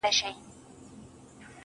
سترگي يې توري ،پر مخ يې ښكل كړه,